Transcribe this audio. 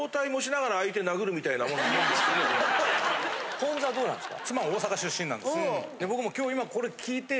ポン酢はどうなんですか？